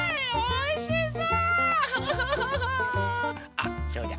あそうだ！